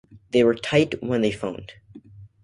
They were tight when they phoned.